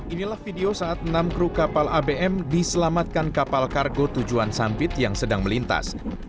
inilah video saat enam kru kapal abm diselamatkan kapal kargo tujuan sampit yang sedang melintas